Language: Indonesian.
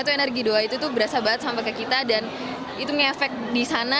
itu energi doa itu tuh berasa banget sampai ke kita dan itu ngefek di sana